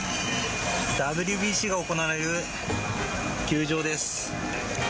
ＷＢＣが行われる球場です。